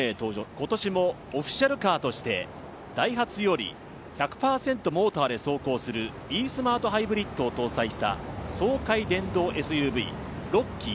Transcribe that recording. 今年もオフィシャルカーとしてダイハツより１００％モーターで走行するＥスマートハイブリッドを搭載した爽快電動ＳＵＶ、ロッキー。